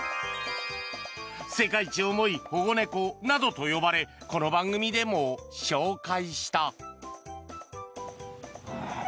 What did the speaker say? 世界一重い保護猫などと呼ばれこの番組でも紹介した。